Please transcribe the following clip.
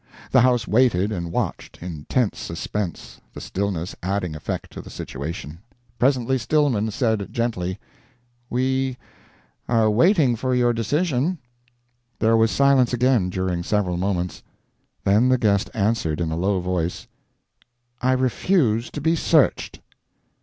The house waited and watched, in tense suspense, the stillness adding effect to the situation. Presently Stillman said, gently, "We are waiting for your decision." There was silence again during several moments; then the guest answered, in a low voice, "I refuse to be searched."